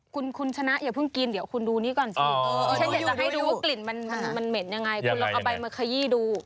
คุณชนะอย่าเพิ่งกินเดี๋ยวคุณดูนี่ก่อนสิ